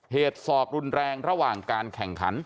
ศอกรุนแรงระหว่างการแข่งขัน